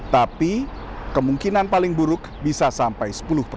tapi kemungkinan paling buruk bisa sampai sepuluh persen